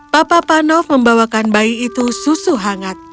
papa panov membawakan bayi itu susu hangat